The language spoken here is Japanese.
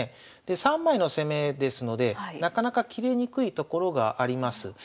３枚の攻めですのでなかなか切れにくいところがあります。